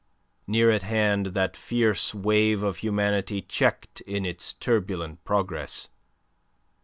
Near at hand that fierce wave of humanity checked in its turbulent progress.